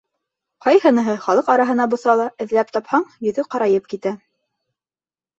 Ҡайһыныһы халыҡ араһына боҫа ла, эҙләп тапһаң, йөҙө ҡарайып китә.